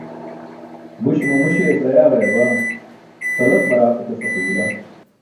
Buśe mamu śeyas ayaaġayabaa, salat maraaq etas axolijl.